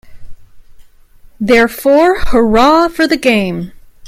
Therefore, hurrah for the game.